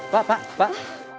pak pak pak